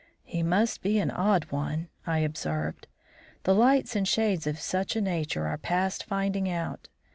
"He must be an odd one," I observed. "The lights and shades of such a nature are past finding out.